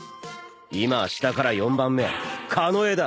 今は下から４番目庚だ。